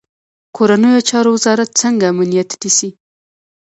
کورنیو چارو وزارت څنګه امنیت نیسي؟